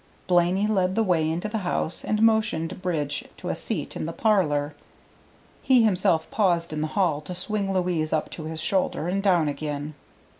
Blaney led the way into the house, and motioned Bridge to a seat in the parlor. He himself paused in the hall to swing Louise up to his shoulder and down again.